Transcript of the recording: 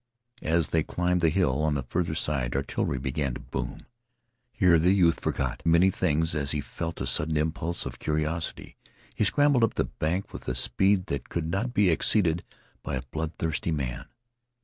As they climbed the hill on the farther side artillery began to boom. Here the youth forgot many things as he felt a sudden impulse of curiosity. He scrambled up the bank with a speed that could not be exceeded by a bloodthirsty man.